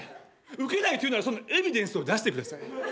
ウケないというならそのエビデンスを出してください。